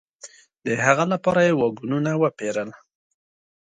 د هغه لپاره یې واګونونه وپېرل.